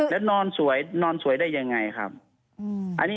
และนอนสวยได้ยังไงครับ